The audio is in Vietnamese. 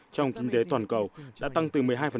trong kinh tế toàn cầu đã tăng từ một mươi hai